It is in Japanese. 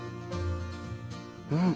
うん。